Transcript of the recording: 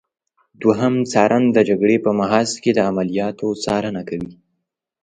دوهم څارن د جګړې په محاذ کې د عملیاتو څارنه کوي.